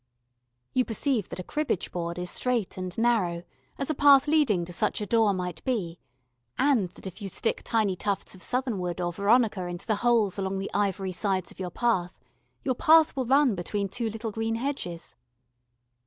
You perceive that a cribbage board is straight and narrow, as a path leading to such a door might be, and that if you stick tiny tufts of southernwood or veronica into the holes along the ivory sides of your path, your path will run between two little green hedges.